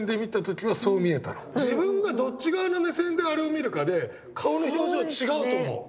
自分がどっち側の目線であれを見るかで顔の表情違うと思う！